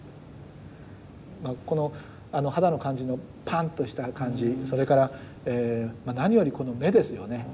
この肌の感じのぱんとした感じそれから何よりこの目ですよね。